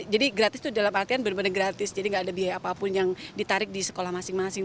jadi gratis itu dalam artian benar benar gratis jadi tidak ada biaya apapun yang ditarik di sekolah masing masing